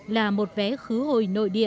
là một vé khứ hồi nội địa